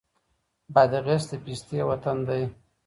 بادغيس د پيستې وطن دی.